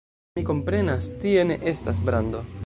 Mi komprenas, tie ne estas brando.